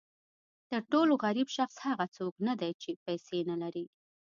تر ټولو غریب شخص هغه څوک نه دی چې پیسې نه لري.